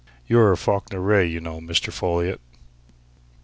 You're Falkiner Wraye, you know, Mr. Folliot!"